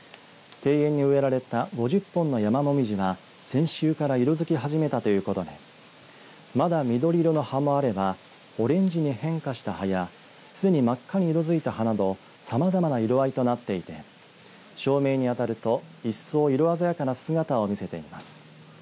庭園に植えられた５０本のヤマモミジは先週から色づき始めたということでまだ、緑色の葉もあればオレンジに変化した葉やすでに真っ赤に色づいた葉などさまざまな色合いとなっていて照明に当たると、いっそう色鮮やかな姿を見せています。